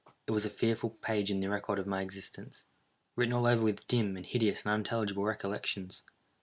It was a fearful page in the record my existence, written all over with dim, and hideous, and unintelligible recollections.